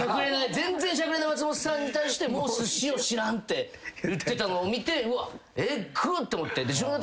全然シャクレない松本さんに対して「もうすしを知らん」って言ってたのを見てうわっえぐっ！って思って。